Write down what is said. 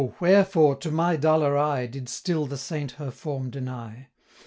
wherefore, to my duller eye, Did still the Saint her form deny!